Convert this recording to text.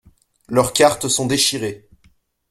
Leurs cartes sont déchirées.